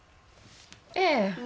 ええ。